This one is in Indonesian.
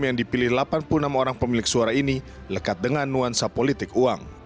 yang dipilih delapan puluh enam orang pemilik suara ini lekat dengan nuansa politik uang